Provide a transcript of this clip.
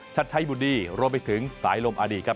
ชัดชัยบุดีรวมไปถึงสายลมอดีตครับ